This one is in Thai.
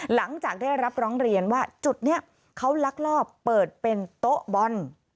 หลังจากได้รับร้องเรียนว่าจุดนี้เขาลักลอบเปิดเป็นโต๊ะบอล